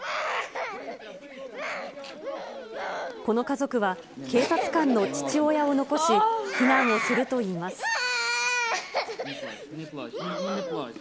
この家族は、警察官の父親を残し、避難をするといいます。